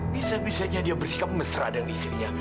bisa bisanya dia bersikap mesra dan istrinya